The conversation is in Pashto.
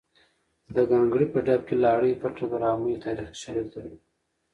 د ګانګړې په ډب کې لاړې بټه ګرامه تاریخي شالید لري